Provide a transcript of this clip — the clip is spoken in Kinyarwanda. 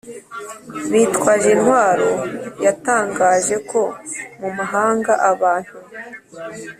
bitwaje intwaro. yatangaje ko mu mahanga abantu